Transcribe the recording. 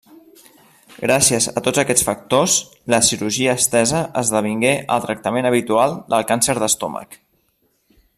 Gràcies a tots aquests factors, la cirurgia estesa esdevingué el tractament habitual del càncer d'estómac.